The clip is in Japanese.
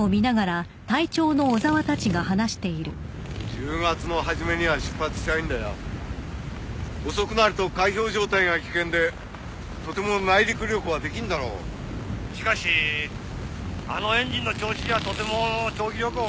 １０月の初めには出発したいんだよ遅くなると解氷状態が危険でとても内陸旅行はできんだろうしかしあのエンジンの調子じゃとても長期旅行は無理でしょう